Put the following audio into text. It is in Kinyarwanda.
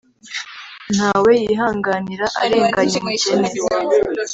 nta we yihanganira arenganya umukene